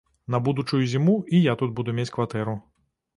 На будучую зіму і я тут буду мець кватэру.